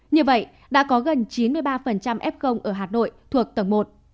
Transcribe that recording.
như vậy đã có gần chín mươi ba f ở hà nội thuộc tầng một